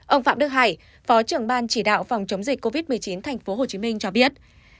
ông phạm đức hải phó trưởng ban chỉ đạo phòng chống dịch covid một mươi chín tp hcm cho biết